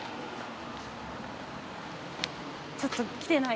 ちょっと来てない？